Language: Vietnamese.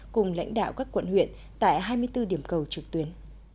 cùng lãnh đạo các quận huyện tại hai mươi bốn điểm cầu trực tuyến